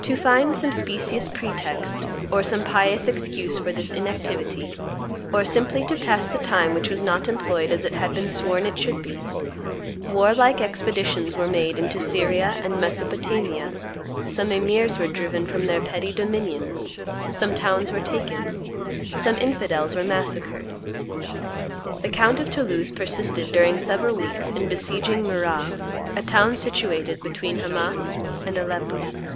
To find some specious pretext, or some pious excuse for this inactivity, or simply to pass the time which was not employed as it had been sworn it should be, war like expeditions were made into Syria and Mesopotamia; some emirs were driven from their petty dominions; some towns were taken; some infidels were massacred. The count of Toulouse persisted during several weeks in besieging Marrah, a town situated between Hamath and Aleppo.